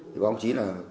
thì có ông chí là